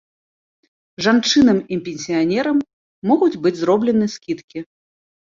Жанчынам і пенсіянерам могуць быць зроблены скідкі.